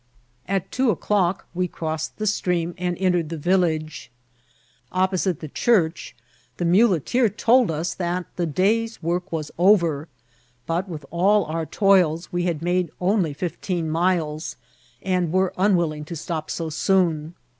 At two o'clock we oroflsed the stream and entered the village. Opposite the church the* muleteer told us that the day's work was over, but, with all our toils, we had made only fifteen miles, and were unwilling to stop so soon.